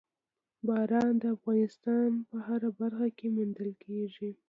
باران د افغانستان په هره برخه کې موندل کېږي.